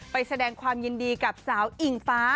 ไปแสดงความยินดีกับสาวอิงฟ้า